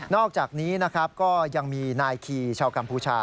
อกจากนี้นะครับก็ยังมีนายคีชาวกัมพูชา